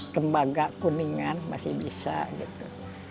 tembaga kuningan masih bisa gitu